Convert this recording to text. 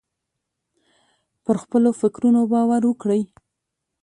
پر خپلو فکرونو باور وکړئ.